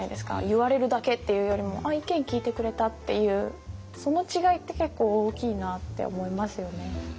言われるだけっていうよりも「あっ意見聞いてくれた」っていうその違いって結構大きいなって思いますよね。